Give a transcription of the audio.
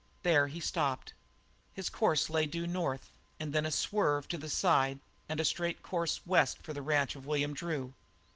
There he stopped. His course lay due north, and then a swerve to the side and a straight course west for the ranch of William Drew.